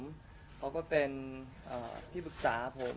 เขาก็เป็นที่ปรึกษาผม